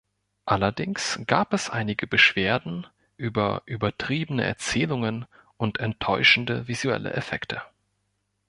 Allerdings gab es einige Beschwerden über übertriebene Erzählungen und enttäuschende visuelle Effekte.